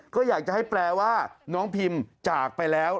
ก็อยากจะให้แปลว่าน้องพิมจากไปแล้ว